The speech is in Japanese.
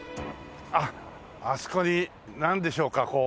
あっあそこになんでしょうかこう。